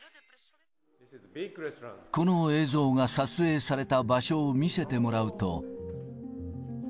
この映像が撮影された場所を見せてもらうと。